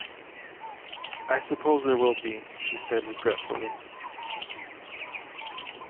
"I suppose there will be," she said regretfully.